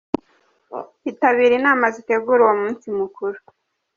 Itabire inama zitegura uwo munsi mukuru.